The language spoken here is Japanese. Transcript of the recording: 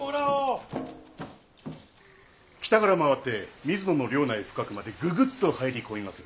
北から回って水野の領内深くまでぐぐっと入り込みまする。